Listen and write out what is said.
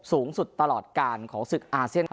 สูงสุดตลอดการของศึกอาเซียน